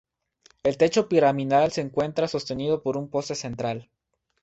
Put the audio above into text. El techo piramidal se encuentra sostenido por un poste central.